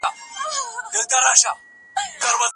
که استاد وي نو زده کړه نه مري.